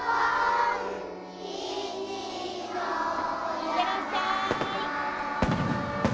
いってらっしゃい。